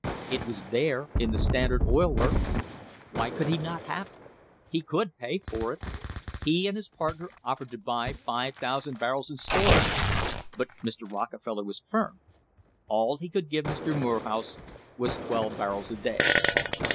It was there in the Standard Oil works. Why could he not have it? He could pay for it. He and his partner offered to buy 5,000 barrels and store it, but Mr. Rockefeller was firm. All he could give Mr. Morehouse was twelve barrels a day.